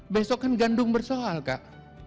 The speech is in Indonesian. besok kan gandum bersolah